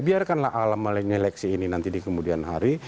biarkanlah alam menyeleksi ini nanti di kemudian hari